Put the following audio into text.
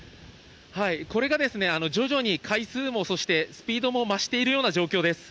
これが徐々に回数も、そしてスピードも増しているような状況です。